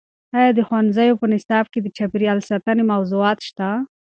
ایا د ښوونځیو په نصاب کې د چاپیریال ساتنې موضوعات شته؟